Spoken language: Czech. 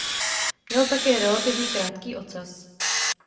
Měl také relativně krátký ocas.